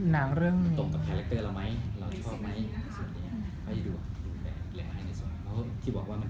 นางตกกับคาแรคเตอร์เราใช่ไหม